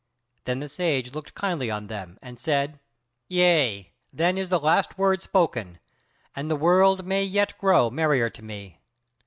Then the Sage looked kindly on them and said: "Yea, then is the last word spoken, and the world may yet grow merrier to me.